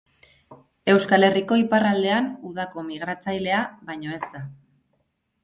Euskal Herriko iparraldean udako migratzailea baino ez da.